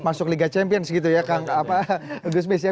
masuk liga champions gitu ya kang gus bish